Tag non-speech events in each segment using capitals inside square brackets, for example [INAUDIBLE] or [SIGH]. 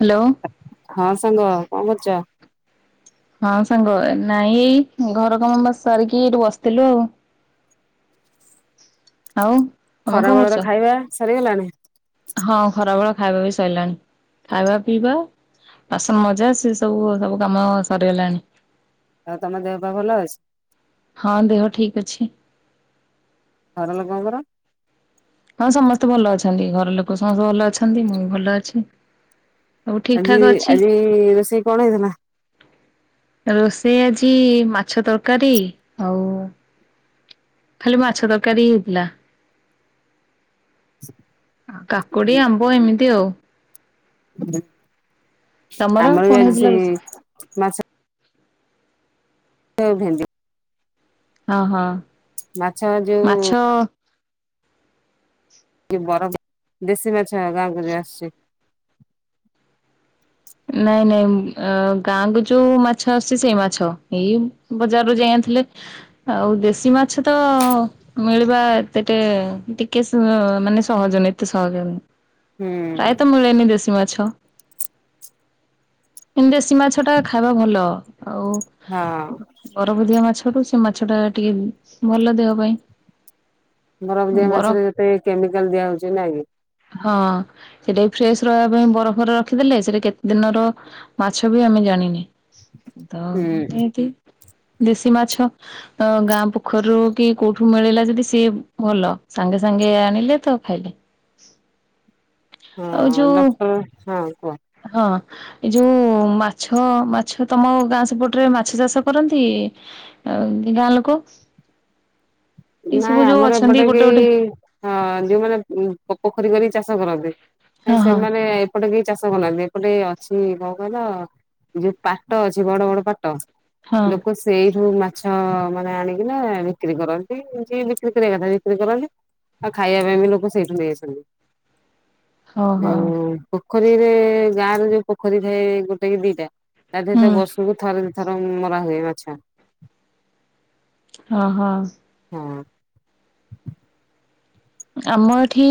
Hello ହଁ ସାଙ୍ଗ କଣ କରୁଛ? ହଁ ସାଙ୍ଗ ନାଇଁ ଏଇ ଘର କାମ ବାସ୍ ସାରିକି ଏଇଠି ବସିଥିଲୁ ଆଉ। ଆଉ। ତମେ ଖରା କଣ କରୁଛ? ବେଳର ଖାଇବା ସରିଗଲାଣି। ହଁ ଖରାବେେଳ ଖାଇବା ବି ସରିଲାଣି ଖାଇବା ପିଇବା। ବାସନ ମଜା ସିଏ ସବୁ ସବୁ କାମ ସରିଗଲାଣି। ଆଉ ତମ ଦେହ ପାଆ ଭଲ ଅଛି। ହଁ ଦେହ ଠିକ୍ ଅଛି। ଘର ଲୋକଙ୍କର। ହଁ ସମସ୍ତେ ଭଲ ଅଛନ୍ତି ଘର ଲୋକ ସମସ୍ତେ ଭଲ ଅଛନ୍ତି ମୁଁ ବି ଭଲ ଅଛି। ସବୁ ଠିକ ଆଜି ଠାକ ଅଛି। ଆଜି ରୋଷେଇ କଣ ହେଇଥିଲା? ରୋଷେଇ ଆଜି ମାଛ ତରକାରୀ ଆଉ ଖାଲି ମାଛ ତରକାରୀ ହେଇଥିଲା। [INAUDIBLE] ଆ କାକୁଡି଼ ଆମ୍ବ ଏମିତି ଆଉ। ତମର ଆମର କଣ ବି ଆଜି ହେଇଥିଲା ରୋଷେଇ? ସେଇ ମାଛ। ଅ ଭେଣ୍ଡି। ହଁ ହଁ। ମାଛ ଯୋଉ। ମାଛ କିଏ ବରଫ ଦିଆ ଦେଶୀ ମାଛ ଗାଁକୁ ଯୋଉ ଆସୁଛି। ନାଇଁ ନାଇଁ ଗାଁକୁ ଯୋଉ ମାଛ ଆସୁଛି ସେଇ ମାଛ ଏଇ ବଜାରରୁ ଯାଇଁ ଆଣିଥିଲେ। ଆଉ ଦେଶୀ ମାଛ ତ। ମିଳିବା ଏତେଟେ ଟିକେ ମାନେ ସହଜ ନାଇଁ ଏତେ ସହଜ ନାଇଁ। ହୁଁ ପ୍ରାୟ ତ ମିଳେନି ଦେଶୀ ମାଛ। ଏ ଦେଶୀ ମାଛ ଟା ଖାଇବା ଭଲ ଆଉ। ହଁ। ବରଫ ଦିଆ ମାଛଠୁ ସେ ମାଛ ଟା ଟିକେ ଭଲ ଦେହ ପାଇଁ। ବରମ ଦିଆ ବରଫ ମାଛରେ ଯେତେ କେମିକାଲ୍ ଦିଆ ହଉଛି ନାଇଁ କି ହଁ ସେଟା ବି ଫ୍ରେଶ୍ ରହିବା ପାଇଁ ବରଫରେ ରଖିଦେଲେ ସେଟା କେ ଦିନର ମାଛ ବି ଆମେ ଜାଣିନି ତ ହୁଁ ଏଁତି। ଦେଶୀ ମାଛ ତ ଗାଁ ପୋଖରୀରୁ କି କୋଉଠୁ ମିଳିଲା ଯଦି ସିଏ ଭଲ ସାଙ୍ଗେ ସାଙ୍ଗେ ଆଣିଲେ ତ ଖାଇଲେ। ହ ଆଉ ଯୋଉ ହୁଁ ହଁ କୁହ। ହଁ। ଏଇ ଯୋଉ ମାଛ ମାଛ ତମ ଗାଁ ସେପଟରେ ମାଛ ଚାଷ କରନ୍ତି। ଆଉ ଗାଁ ଲୋକ। ଏଇ ସବୁ ନାଇଁ ଯୋଉ ଆମର ଅଛନ୍ତି ଏପଟେ ଗୋଟେ କେହି ଗୋଟେ ହଁ ଯୋଉମାନେ ପୋଖରୀ କରିକି ଚାଷ କରନ୍ତି ହଁ ହଁ ସେମାନେ ଏପଟେ କେହି ଚାଷ କରୁନାହାନ୍ତି ଏପଟେ ଅଛି କ କହିଲ ଯୋଉ ପାଟ ଅଛି ବଡ଼ ବଡ଼ ପାଟ। ହଁ ଲୋକ ସେଇଠୁ ମାଛ ମାନେ ଆଣିକିନା ବିକ୍ରି କରନ୍ତି। ବିକ୍ରି କରିବା କଥା ବିକ୍ରି କରନ୍ତି ଆଉ ଖାଇବା ପାଇଁ ବି ଲୋକ ସେଇଠୁ ନେଇ ଆସନ୍ତି। ହଁ ହଁ ଅଁ ପୋଖରୀରେ ଗାଁ ର ଯୋଉ ପୋଖରୀ ଥାଏ ଗୋଟେ କି ଦିଟା ତା ଠି ହୁଁ ତ ବର୍ଷୁକୁ ଥରେ ଦି ଥର ମରା ହୁଏ ମାଛ। ହଁ ହଁ। ହଁ। ଆମ ଏଠି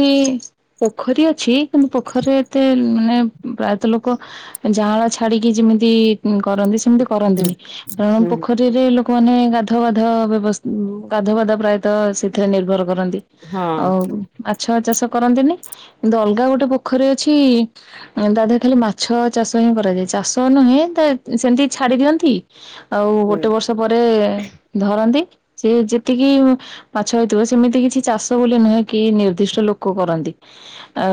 ପୋଖରୀ ଅଛି କିନ୍ତୁ ପୋଖରୀ ରେ ଏତେ ମାନେ ପ୍ରାୟତଃ ଲୋକ ଯାଆଁଳ ଛାଡିକି ଯେମିତି କରନ୍ତି ସେମିତି ହୁଁ କରନ୍ତିନି କାରଣ ହୁଁ ପୋଖ ରି ରେ ଲୋକମାନେ ଗାଧ ବାଧ ବ୍ୟବସ୍ ଗାଧା ବାଧା ପ୍ରାୟତଃ ସେଥିରେ ନିର୍ଭର କରନ୍ତି। ହଁ ମାଛଆ ଚାଷ କରନ୍ତି ନି କିନ୍ତୁ ଅଲଗା ଗୋଟେ ପୋଖରୀ ଅଛି ତା ଧେ ରେ ଖାଲି ମାଛ ଚାଷ ହିଁ କରାଯାଏ ଚାଷ ନୁହେଁ ତ ସେମିତି ଛାଡି ଦିଅନ୍ତି ଆଉ ହୁଁ। ଗୋଟେ ବର୍ଷ ପରେ ଧରନ୍ତି ସେ ଯେତିକି ମ ମାଛ ହେଇଥିବ ସେମିତି କିଛି ଚାଷ ବୋଲି ନୁହେଁ କି ନିର୍ଦ୍ଦିଷ୍ଟ ଲୋକ କରନ୍ତି। ଆ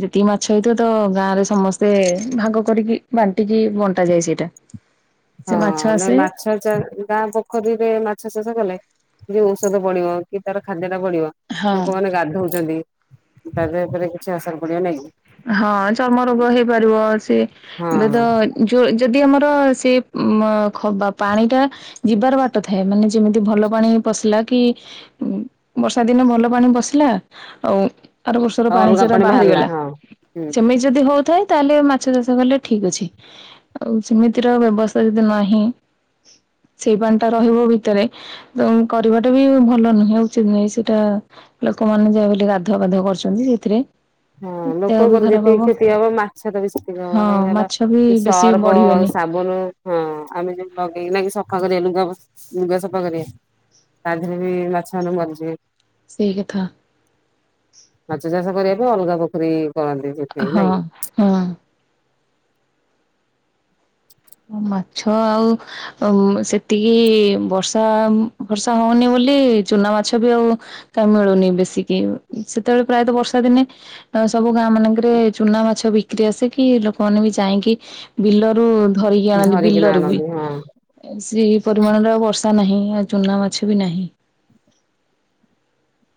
ଯେତିକି ମାଛ ହେଇଥିବ ତ ଗାଁ ରେ ସମସ୍ତେ ଭାଗ କରିକି ବାଣ୍ଟିକି ବଣ୍ଟାଯାଏ ସେଇଟା। ସେ ହଁ ମାଛ ନାଇଁ ଆସେ ମାଛ ଚା ଗାଁ ପୋ ପୋଖରୀରେ ମାଛ ଚାଷ କଲେ ଯୋ ଓଷଦ ପଡ଼ିବ କି ତାର ଖାଦ୍ୟ ଟା ବଡିବ। ହଁ ଲୋକ ମାନେ ଗାଧଉଛନ୍ତି ତାଙ୍କ ଉପରେ କିଛି ଆସଦ ପଡିିବନି। ହଁ ଚର୍ମ ରୋଗ ହେଇପାରିବ ସିଏ ହଁ ଏବେ ତ ଏନ୍ ଯୋ ଯଦି ଆମର ସେ ମ ଖ ବା ପାଣିଟା ଯିବାର ବାଟ ଥାଏ ମାନେ ଯେମିତି ଭଲ ପାଣି ପଶିଲା କି ଉଁ ବର୍ଷା ଦିନେ ଭଲ ପାଣି ବସିଲା ଆଉ ଆର ବର୍ଷର ଆଉ ପାଣି ଅଲଗା ସେରା ବାହାରିଲା ବାହାରିଗଲା ହଁ ହୁଁ ସେମ୍ ମି ଯଦି ହଉଥାଏ ତାହେଲେ ମାଛ ଚାଷ କଲେ ଠିକ୍ ଅଛି। ଆଉ ସେମିତିର ବ୍ୟବସ୍ଥା ଯଦି ନାହିଁ ସେଇ ପାଣି ଟା ରହିବ ଭିତରେ ବଂ କରିବାଟା ବି ଭଲ ନୁହେଁ ଉଚିତ୍ ନୁହେଁ ସେଟା ଲୋକମାନେ ଯାହାବି ହେଲେ ଗାଧୁଆ ପାଧୁଆ କରୁଛନ୍ତି ସେଥିରେ। ହଁ ଦେହ ବି ଲୋକଙ୍କର ଖରାପ ଯେତିକି କ୍ଷତି ହବ ମାଛ ର ବି ସେତିକି ହଁ ହବ କାଇଁ ହେଲା ମାଛ ବି ବେଶୀ ସର୍ପ ବଢିବେନି ସା [UNINTELLIGIBLE] ହଁ ଆମେ ଯେମିତି ଲଗେଇକିନା ସଫା କରିବା ଲୁଗା ବ ଲୁଗା ସଫା କରିବା ତା ଧେରେ ବି ମାଛ ମାନେ ମରିଯିବେ। ସେଇ କଥା। ମାଛ ଚାଷ କରିବା ପାଇଁ ଅଲଗା ପୋଖରୀ କରନ୍ତି ସେ ହଁ ହୁଁ। ମାଛ ଆଉ ଆଉ ସେତିକି ବର୍ଷା ଫର୍ଷା ହଉନି ବୋଲି ଚୁନା ମାଛ ବି ଆଉ କାଇଁ ମିଳୁନି ବେଶୀକି ସେତେବେଳେ ପ୍ରାୟତଃ ବର୍ଷା ଦିନେ ତ ସବୁ ଗାଁ ମାନଙ୍କରେ ଚୁନା ମାଛ ବିକ୍ରି ଆସେ କିି ଲୋକ ମାନେ ବି ଯାଇକି ବିଲରୁ ଧରିକି କି ଆଣନ୍ତି ଧରିକିନା ବିଲରୁ ବି। ଆଣନ୍ତି ହଁ ଏ ସେ ପରିମାଣରେ ଆଉ ବର୍ଷା ନାହିଁ ଆଉ ଚୁନା ମାଛ ବି ନାହିଁ।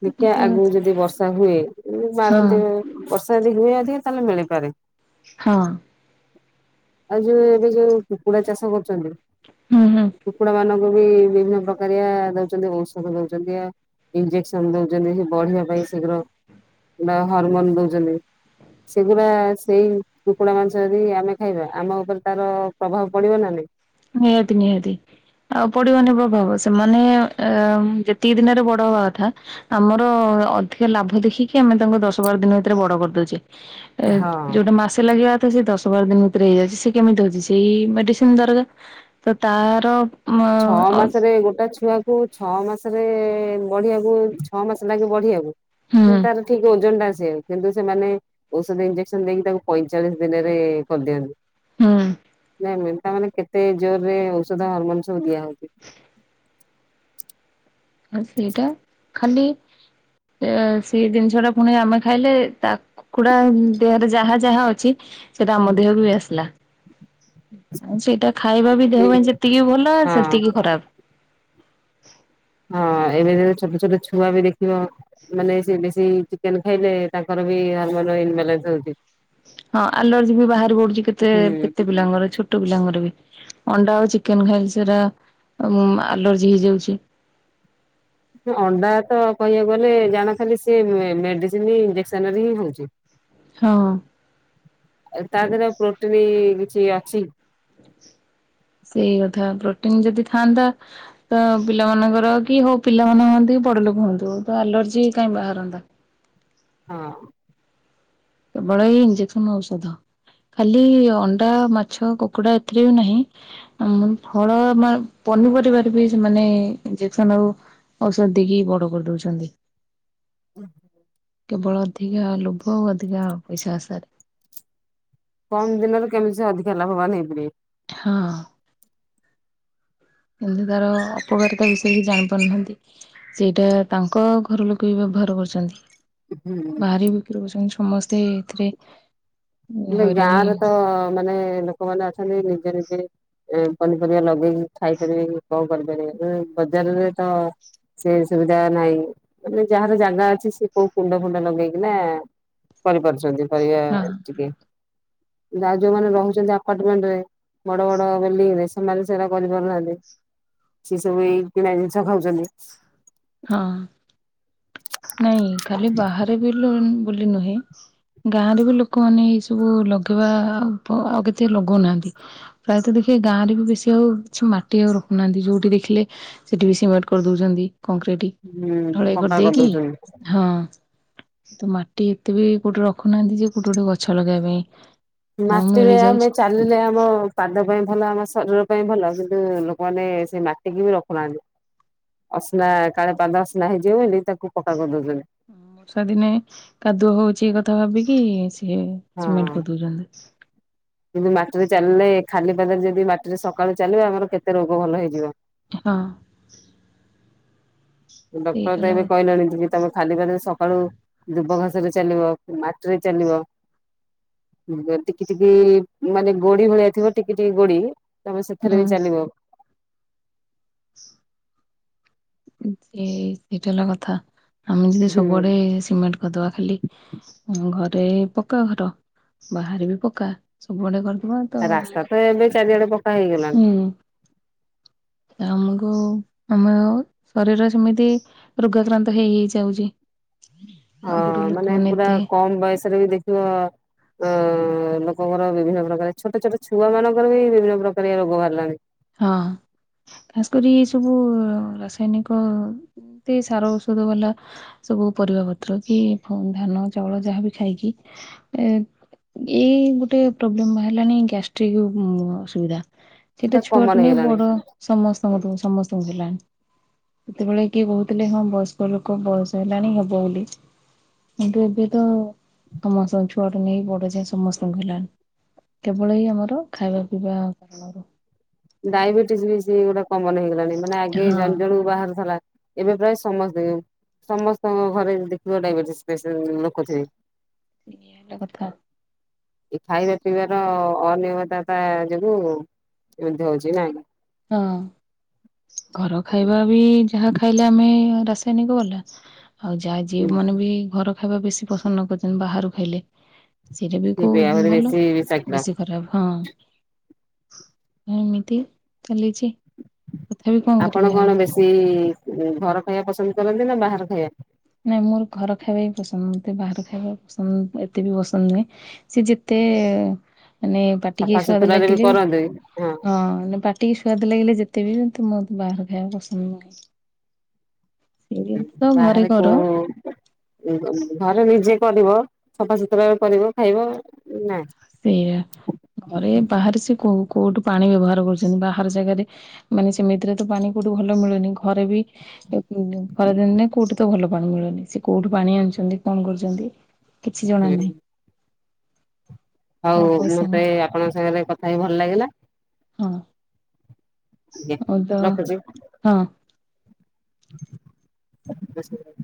ଦେଖିଆ ଆଗକୁ ଯଦି ବର୍ଷା ହୁଏ ହଁ ମାରନ୍ତି ବର୍ଷା ଯଦି ହୁଏ ଅଧିକା ତାହେଲେ ମିଳିପାରେ। ହଁ। ଆଉ ଯୋଉ ଏବେ ଯୋଉ କୁକୁଡା ଚାଷ କରୁଛନ୍ତି। ହୁଁ ହୁଁ। କୁକୁଡା ମାନଙ୍କୁ ବି ବିଭିନ୍ନ ପ୍ରକାରଆ ଦଉଛନ୍ତି ଔଷଧ ଦଉଛନ୍ତି ଆ ଇଞ୍ଜେସ୍ ଦଉଛନ୍ତି ସେ ବଢିବା ପାଇଁ ଶୀଘ୍ର ବା ହରମୋନ୍ ଦଉଛନ୍ତି। ସେଗୁଡା ସେଇ କୁକୁଡା ମାଂସ ଯଦି ଆମେ ଖାଇବା ଆମ ଉପରେ ତାର ପ୍ରଭାବ ପଡିବ ନା ନାଇଁ। ନିହାତି ନିହାତି। ଆଉ ପଡିବନି ପ୍ରଭାବ ସେମାନେ ଅ ଯେତିକି ଦିନରେ ବଡ ହବା କଥା ଆମର ଅଧିକା ଲାଭ ଦେଖିକି ଆମେ ତାଙ୍କୁ ଦଶ ବାର ଦିନ ଭିତରେ ବଡ କରିଦଉଛେ। ଏ ହଁ। ଯୋଉଟା ମାସେ ଲାଗିବା ମୋର ତ ସେଇ ଦଶ ବାର ଦିନ ଭିତରେ ହେଇଯାଉଛି। ସେ କେମିତି ହଉଛି, ସେଇ ମେଡିସିନ ଦରଜ ତ ତାର ଛଅ ଅ ମାସରେ ଗୋଟା ଛୁଆକୁ କୁ, ଛଅ ମାସେରେ ବଢିଆକୁ ଛଅ ମାସ ଲାଗେ ବଢିଆକୁ। ହୁଁ କିନ୍ତୁ ତାର ଠିକ ଓଜନଟା ଆସିଆକୁ କିନ୍ତୁ ସେମାନେ ଔଷଧ, ଇଞ୍ଜେକ୍ସନ ଦେଇକି ତାକୁ ପଇଁଚାଳିଶ ଦିନେରେ ଇଏ କରିଦିଅନ୍ତି। ହୁଁ। ନାଇଁ ମେନ୍, ତାମାନେ କେତେ ଜୋରରେ ଔଷଧ, ହରମୋନ ସବୁ ଦିଆହଉଛି। ଆ ସେଇଟା, ଖାଲି ସେ ସେଇ ଜିନିଷଟା ପୁଣି ଆମେ ଖାଇଲେ ତା କୁକୁଡା ଦେହରେ ଯାହା ଯାହା ଅଛି, ସେଟା ଆମ ଦେହକୁ ବି ଆସିଲା। ଆଉ ସେଇଟା ଖାଇବା ବି ଦେହ ପାଇଁ ଯେତିକି ଭଲ, ହଁ ସେତିକି ଖରାପ। ହଁ, ଏବେ ଯୋଉ ଛୋଟ ଛୋଟ ଛୁଆ ବି ଦେଖିବ ମାନେ ସେ ବେଶୀ ଚିକେନ ଖାଇଲେ, ତାଙ୍କର ବି ହରମୋନ ଇନବାଲାନ୍ସ ହଉଛି। ହଁ, ଆଲର୍ଜି ବି ବାହାରି ପଡୁଛି, କେତେ ହୁଁ କେତେ ପିଲାଙ୍କର ଛୋଟ ପିଲାଙ୍କର ବି। ଅଣ୍ଡା ଆଉ ଚିକେନ ଖାଇଲେ ସେଇରା ଉମ୍ ଆଲର୍ଜି ହେଇଯାଉଛି। ଅଣ୍ଡା ତ କହିଆକୁ ଗଲେ, ଜାଣ ଖାଲି ସିଏ ମେ-ମେଡିସିନ ଇଞ୍ଜେକ୍ସନରେ ହିଁ ହଉଛି। ହଁ। ତା ଦେହରେ ଆଉ ପ୍ରୋଟିନି କିଛି ଅଛି? ସେଇ କଥା। ପ୍ରୋଟିନ ଯଦି ଥାଆନ୍ତା ତ ପିଲାମାନଙ୍କର କି ହଉ, ପିଲାମାନେ ହୁଅନ୍ତି, କି ବଡଲୋକ ହୁଅନ୍ତୁ, ତ ଆଲର୍ଜି କାଇଁ ବାହାରନ୍ତା? ହଁ। କେବଳ ଏଇ ଇଞ୍ଜେକ୍ସନ, ଔଷଧ। ଖାଲି ଅଣ୍ଡା, ମାଛ, କୁକୁଡା ଏଥିରେ ବି ନାହିଁ ଆ ମୁନ୍ ଫଳ ମା ପନିପରିବାରେ ବି ସେମାନେ ଇଞ୍ଜେକସନ ଆଉ ଔଷଧ ଦେଇକି ବଡ କରିଦଉଛନ୍ତି। ଉଁ କେବଳ ଅଧିକା ଲୋଭ ଆଉ ଅଧିକା ପଇସା ଆଶାରେ। କମ ଦିନରେ କେମିତି ସେ ଅଧିକା ଲାଭବାନ ହେଇପାରିବେ। ହଁ। କିନ୍ତୁ ତାର ଅପକାରିତା ବିଷୟରେ କିଛି ଜାଣିପାରୁନାହାଁନ୍ତି। ସେଇଟା ତାଙ୍କ ଘର ଲୋକ ବି ବ୍ୟବହାର କରୁଛନ୍ତି। ହୁଁ ଭାରି ବିକ୍ରି କରୁଛନ୍ତି ସମସ୍ତେ ଏଇଥିରେ ମୁଁ କହିଲି ଗାଁରେ ତ ମାନେ ଲୋକମାନେ ଅଛନ୍ତି ନିଜ ନିଜେ ଏ ପନିପରିବା ଲଗେଇକି ଖାଇପାରିବେ, କି କଣ କରିପାରିବେ? ନହେଲେ ବଜାରରେ ତ ସେ ସୁବିଧା ନାହିଁ। ମାନେ ଯାହାର ଜାଗା ଅଛି, ସେ କୋଉ କୁଣ୍ଡ ଫୁଣ୍ଡ ଲଗେଇକିନା କରିପାରୁଛନ୍ତି ପରିବା ହଁ ଟିକେ। ଯାହା ଯୋଉମାନେ ରହୁଛନ୍ତି ଆପାର୍ଟମେଣ୍ଟରେ ବଡ଼ ବଡ଼ ବିଲ୍ଡିଂରେ ସେମାନେ ସେଇରା କରିପାରୁନାହାଁନ୍ତି। ସିଏ ସବୁ ଏଇ କିଣା ଜିନିଷ ଖାଉଛନ୍ତି। ହଁ। ନାଇଁ, ଖାଲି ବାହାରେ ବିଲି ବୁଲି ନୁହେଁ ଗାଁରେ ବି ଲୋକମାନେ ଏଇ ସବୁ ଲଗେଇବା ଆଉ ପ କେତେ ଲଗଉନାହାଁନ୍ତି। ପ୍ରାୟତଃ ଦେଖିବେ, ଗାଁରେ ବି ବେଶୀ ଆଉ କିଛି ମାଟି ଆଉ ରଖୁନାହାଁନ୍ତି। ଯୋଉଠି ଦେଖିଲେ ସେଠି ବି ସିମେଣ୍ଟ କରି ଦଉଛନ୍ତି, କଂକ୍ରିଟ୍। ହୁଁ, ପକ୍କା କରିଦଉଛନ୍ତି। ହଁ। ତ ମାଟି ଏତେ ବି କୋଉଟି ରଖୁନାହାଁନ୍ତି ଯେ, କୋଉଠି ଗୋଟେ ଗଛ ଲଗେଇବା ପାଇଁ। ହଁ ମାଟିରେ ମିଳିଯାଉଛି ଆମେ ଚାଲିଲେ ଆମ ପାଦ ପାଇଁ ଭଲ, ଆମ ଶରୀର ପାଇଁ ଭଲ, କିନ୍ତୁ ଲୋକମାନେ ସେ ମାଟିକି ବି ରଖୁନାହାଁନ୍ତି। ଅସନା କାଳେ ପାଦ ଅସନା ହେଇଯିବ ବୋଲି, ତାକୁ ପକ୍କା କରି ଦଉଛନ୍ତି। ବର୍ଷା ଦିନେ କାଦୁଅ ହଉଛି କଥା ଭାବିକି ସିଏ ସିମେଣ୍ଟ କରିଦଉଛନ୍ତି। ଯଦି ମାଟିରେ ଚାଲିଲେ ଖାଲି ପାଦରେ ଯଦି ମାଟିରେ ସକାଳୁ ଚାଲିବ ଆମର କେତେ ରୋଗ ଭଲ ହେଇଯିବ। ହଁ। ଡକ୍ଟରର ସେଇଟା ତ ହେଲା ଏବେ କଥା କହିଲାଣି ଯେ ତମେ ଖାଲି ପାଦେରେ ସକାଳୁ ଦୁବ ଘାସେରେ ଚାଲିବ ମାଟିରେ ଚାଲିବ ବେ ଟିକି ଟିକି ଉ ମ ମାନେ ଗୋଡି ଭଳିଆ ଥିବ ଟିକି ଟିକି ଗୋଡି ତମେ ସେଥେରେ ହୁଁ ବି ଚାଲିବ। ଏ ଏଇଟା ହେଲା କଥା ଆମେ ଯଦି ହୁଁ ସବୁଆଡେ ସିମେଣ୍ଟ କରଦବା ଖାଲି ହଁ ଘରେ ପକା ଘର ବାହାରେ ବି ପକା ସବୁଆଡେ କରଦବା ରାସ୍ତା ତ ଏବେ ଚାରିଆଡେ ପକା ହେଇଗଲାଣି। ଆମୁକୁ ଆମେ ଆଉ ଶରୀର ସେମିତି ରୋଗାକ୍ରାନ୍ତ ହେଇ ହେଇ ଯାଉଚି। ହଁ ମାନେ ପୁରା କମ୍ ବୟସରେ ବି ଦେଖିବ ଅଁ ଏଁ ଲୋକଙ୍କର ବିଭିନ୍ନ ପ୍ରକାରେ ଛୋଟ ଛୋଟ ଛୁଆ ମାନଙ୍କର ବି ବିଭିନ୍ନ ପ୍ରକାରିଆ ରୋଗ ଭାରିଲାଣି। ହଁ। ଖାସ୍ କରି ଏ ସବୁ ରାସାୟନିକ ଏତେ ସାର ଔଷଧ ଵାଲା ସବୁ ପରିବା ପତ୍ର କି ଫୁଁ ଧାନ ଚାଉଳ ଯାହା ବି ଖାଇକି ହେ ଏ ଏଇ ଗୋଟେ ପ୍ରୋବ୍ଲେମ ବାହାରିଲାନି ଗ୍ୟାଷ୍ଟ୍ରିକ ଉଁ ଅସୁବିଧା। ସେଟା କମନ ହେଇଗଲାଣି। ହୁଁ ସମସ୍ତଙ୍କଠୁ ସମସ୍ତଙ୍କୁ ହେଲାଣି। ସେତେବେଳେ କିଏ କହୁଥିଲେ ହଁ ବୟସ୍କ ଲୋକ ବୟସ ହେଲାଣି ହବ ବୋଲି। କିନ୍ତୁ ଏବେ ତ ସମସ୍ତ ଛୁଆଠୁ ନେଇ ବଡ ଯାଏ ସମସ୍ତଙ୍କୁ ହେଲାଣି। କେବଳ ଏଇ ଆମର ଖାଇବା ପିଇବା କାରଣରୁ। ଡାଇବେଟିସ ବି ସେଇ ଗୋଟା କମନ ହେଇଗଲାଣି ମାନେ ଆଗେ ହଁ ଜଣ ଜଣୁକୁ ବାହାରୁଥେଲା। ଏବେ ପ୍ରାୟେ ସମସ୍ତିଙ୍କୁ ସମସ୍ତଙ୍କ ଘରେ ଦେଖିବ ଡାଇବେଟିସ ପେସେଣ୍ଟ ଲୋକ ଥିବେ। ଇଏଁ ହେଲା କଥା। ଏ ଖାଇବା ପିଇବାର ଅନିୟମିତତା ଯୋଗୁ ଏମିତି ହଉଚି ନାଁ। ହଁ। ଘର ଖାଇବା ବି ଯାହା ଖାଇଲେ ଆମେ ରାସାୟନିକ ଵାଲା। ଆଉ ଯା ଯିଏ ମାନେ ବି ଘର ଖାଇବା ବେଶୀ ପସନ୍ଦ ନ କରିଚନ୍ତି ବାହାରୁ ଖାଇଲେ। ସେଇଟା ବି ହୁଁ କୋଉଁ ଆହୁରି ଭଲ ବେଶୀ ବିଷାକ୍ତ। ବେଶୀ ଖରାପ ହଁ ଏମିତି। ଚାଲିଛି ତଥାପି କଁ କରିବା ଆଜି? ଏଇ ଇଁ ଘର ଖାଇବା ପସନ୍ଦ କରନ୍ତି ନା ବାହାର ଖାଇବା? ନାଇଁ ମୋର ଘର ଖାଇବା ହି ପସନ୍ଦ ମୋତେ ବାହାର ଖାଇବା ପସନ୍ଦ ଏତେ ବି ପସନ୍ଦ ନୁହେଁ। ସେ ଯେତେ ମାନେ ପାଟିକି ସୁଆଦ ସଫାସୁତୁରାରେ ବି ଲାଗିଲେ କରନ୍ତି ହଁ ନାଇ ପାଟିକି ସୁ୍ଆଦ ଲାଗିଲେ ଯେତେ ବି ମୋତେ ମୋ ବାହାର ଖାଇବା ପସନ୍ଦ ନୁହେଁ। ସେମିତି ତ ଘରେ କର ଓହୋ। ଘରେ ନିଜେ କରିବ ସଫାସୁତୁରାରେ କରିବ ଖାଇବ ନାଁ। ସେଇଆ ଘରେ ବାହାରେ ସେ କୋଉ କୋଉଠୁ ପାଣି ବ୍ୟବହାର କରୁଛନ୍ତି ବାହାର ଜାଗାରେ ମାନେ ସେମିତିରେ ତ ପାଣି କୋଉଠୁ ଭଲ ମିଳେନି ଘରେ ବି ଖରାଦିନରେ କୋଉଠି ତ ଭଲ ପାଣି ମିଳେନି ସେ କୋଉଠୁ ପାଣି ଆଣୁଚନ୍ତି। କଣ କରୁଚନ୍ତି? କିଛି ଜଣା ହୁଁ। ନାହିଁ। ହଉ ହଉ ମୋତେ ଆପଣଙ୍କ ସାଙ୍ଗେରେ କଥା ହେଇ ଭଲ ଲାଗିଲା। ହଁ ଆଜ୍ଞା ଆଉ ତ ରଖୁଛି। ହଁ। [INAUDIBLE]